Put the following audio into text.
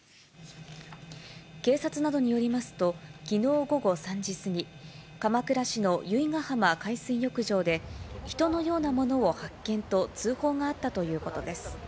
警察などによりますと、きのう午後３時過ぎ、鎌倉市の由比ガ浜海水浴場で、人のようなものを発見と通報があったということです。